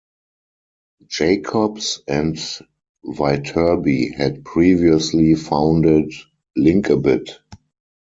Jacobs and Viterbi had previously founded Linkabit.